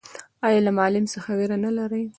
ایا له معلم څخه ویره نلري؟